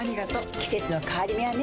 季節の変わり目はねうん。